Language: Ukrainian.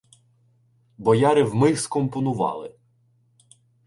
Бояри вмиг скомпонували